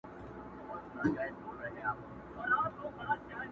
حسن پرست يم د ښکلا تصوير ساتم په زړه کي.